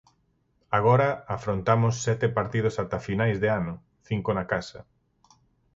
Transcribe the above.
Agora afrontamos sete partidos ata finais de ano, cinco na casa.